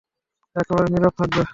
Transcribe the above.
একেবারে নীরব থাকবে।